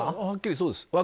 はっきりそうです。